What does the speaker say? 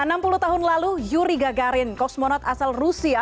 enam puluh tahun lalu yuri gagarin kosmonot asal rusia